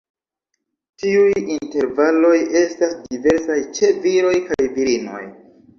Tiuj intervaloj estas diversaj ĉe viroj kaj virinoj.